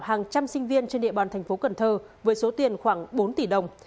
hàng trăm sinh viên trên địa bàn thành phố cần thơ với số tiền khoảng bốn tỷ đồng